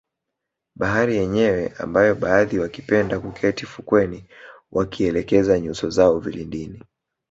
Bahari yenyewe ambayo baadhi wakipenda kuketi fukweni wakielekeza nyuso zao vilindini